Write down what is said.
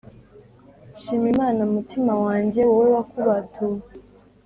Shima imana mutima wanjye wowe wakubatuwe